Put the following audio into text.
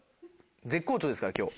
絶好調ですから今日。